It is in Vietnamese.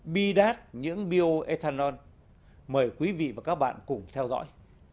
bi đát những bioethanol mời quý vị và các bạn cùng theo dõi